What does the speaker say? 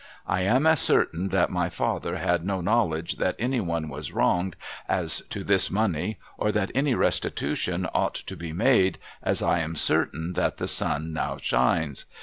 ' I am as certain that my father had no knowledge that any one was wronged as to this money, or that any restitution ought to be made, as I am certain that the sun now shines.